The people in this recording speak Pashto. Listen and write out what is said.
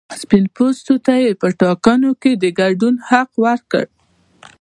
سپین پوستو ته یې په ټاکنو کې د ګډون حق ورکړ.